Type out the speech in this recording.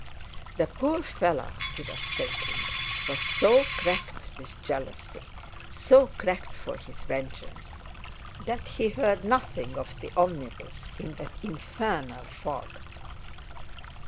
"The poor fellow," he was thinking, "was so cracked with jealousy, so cracked for his vengeance, that he heard nothing of the omnibus in that infernal fog."